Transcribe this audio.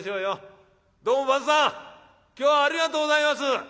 今日はありがとうございます。